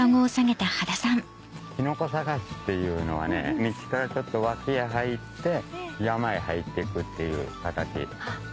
キノコ探しっていうのは道からちょっと脇へ入って山へ入っていくっていう形。